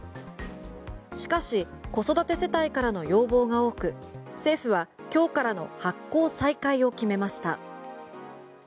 しかし子育て世帯からの要望が多く政府は今日からの発行再開を決めました。